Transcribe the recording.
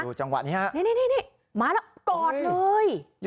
จังหวะนี้ฮะนี่มาแล้วกอดเลย